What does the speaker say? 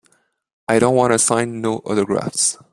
I don't wanta sign no autographs.